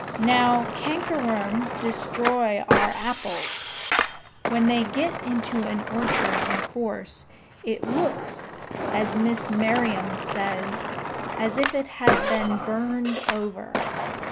Now, cankerworms destroy our apples. When they get into an orchard in force, it looks, as Miss Merriam says, as if it had been burned over.